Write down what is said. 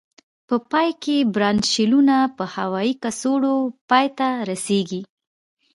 په پای کې برانشیولونه په هوایي کڅوړو پای ته رسيږي.